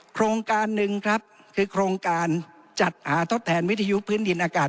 โครงการหนึ่งครับคือโครงการจัดหาทดแทนวิทยุพื้นดินอากาศ